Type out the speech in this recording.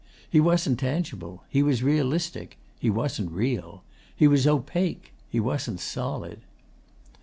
He wasn't tangible. He was realistic. He wasn't real. He was opaque. He wasn't solid.